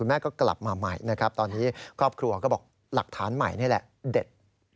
แม่ก็กลับมาใหม่นะครับตอนนี้ครอบครัวก็บอกหลักฐานใหม่นี่แหละเด็ด